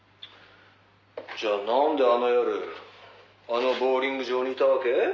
「じゃあなんであの夜あのボウリング場にいたわけ？」